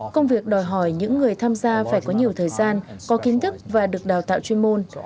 công việc đòi hỏi những người tham gia phải có nhiều thời gian có kiến thức và được đào tạo chuyên môn